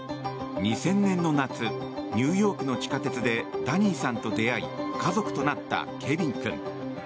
２０００年の夏ニューヨークの地下鉄でダニーさんと出会い家族となったケビン君。